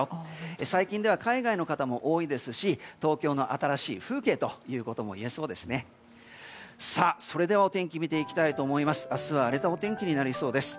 最近では海外の方も多いですし東京の新しい風景ということも言えそうですね。